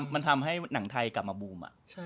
มันทำให้หนังไทยกลับมาบูม